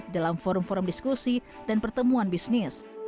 dalam forum forum diskusi dan pertemuan bisnis